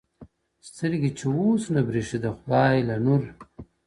سترگي چي اوس نه برېښي د خدای له نور!!